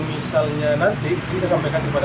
misalnya nanti saya sampaikan kepada